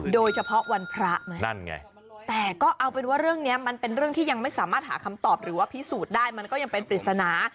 โดยเฉพาะวันพระไหมนั่นไงแต่ก็เอาเป็นว่าเรื่องนี้มันเป็นเรื่องที่ยังไม่สามารถหาคำตอบหรือว่าพิสูจน์ได้มันก็ยังเป็นปริศนา